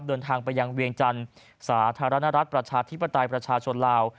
เดินทางไปยังเวียงจันทร์สาธารณรัฐประชาธิปไตยประชาชนลาว